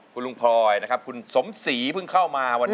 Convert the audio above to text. คุณลุงพลอยนะครับคุณสมศรีเพิ่งเข้ามาวันนี้